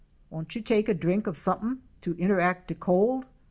"Wont you tak' a drink of sompfin to interact de cold?"